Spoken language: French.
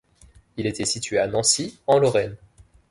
Il était situé à Nancy, en Lorraine.